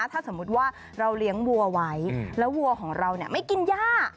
ถ้าสมมุติว่าเราเลี้ยงวัวไว้แล้ววัวของเราไม่กินย่า